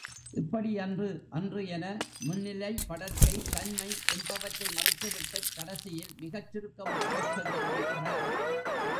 இப்படி அன்று, அன்று என, முன்னிலை, படர்க்கை, தன்மை என்பவற்றை மறுத்துவிட்டுக் கடைசியில் மிகச் சுருக்கமாகச் சொல்லி முடிக்கிறார்.